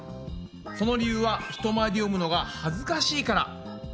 その理由は人前で読むのがはずかしいから。